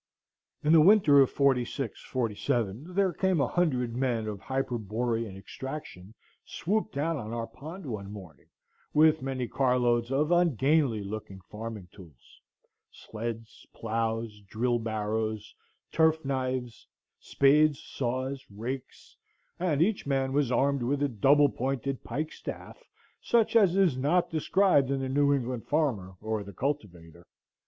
In the winter of '46–7 there came a hundred men of Hyperborean extraction swoop down on to our pond one morning, with many car loads of ungainly looking farming tools, sleds, ploughs, drill barrows, turf knives, spades, saws, rakes, and each man was armed with a double pointed pike staff, such as is not described in the New England Farmer or the Cultivator.